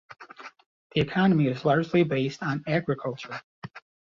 The economy is largely based on agriculture.